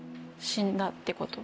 「死んだってこと」